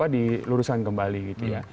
di luruskan kembali gitu ya